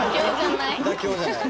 妥協じゃない？